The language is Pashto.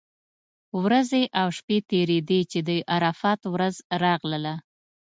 ورځې او شپې تېرېدې چې د عرفات ورځ راغله.